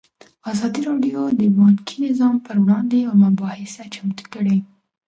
ازادي راډیو د بانکي نظام پر وړاندې یوه مباحثه چمتو کړې.